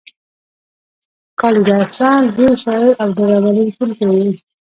کالیداسا لوی شاعر او ډرامه لیکونکی و.